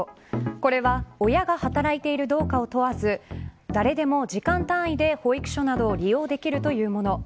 これは、親が働いているかどうかを問わず誰でも時間単位で保育所などを利用できるというもの。